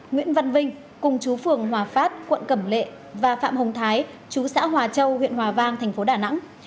nguyễn văn vinh cùng chú phường hòa phát quận cẩm lệ và phạm hồng thái chú xã hòa châu huyện hòa vang thành phố đà nẵng